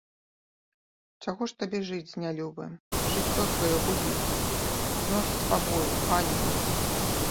Чаго ж табе жыць з нялюбым, жыццё сваё губіць, зносіць пабоі, ганьбу?